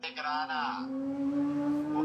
بنسټیزه څېړنه د پوهیدو لپاره ده.